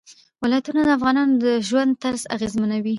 ولایتونه د افغانانو د ژوند طرز اغېزمنوي.